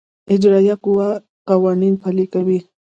اجرائیه قوه قوانین پلي کوي